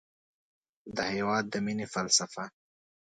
د هېواد د مینې فلسفه